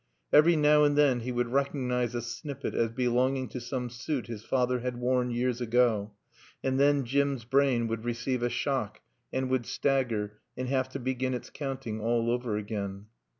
Every now and then he would recognise a snippet as belonging to some suit his father had worn years ago, and then Jim's brain would receive a shock and would stagger and have to begin its counting all over again.